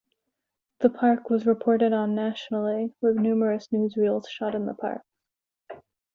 The park was reported on nationally, with numerous newsreels shot in the park.